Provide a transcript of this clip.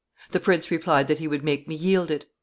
The prince replied that he would make me yield it.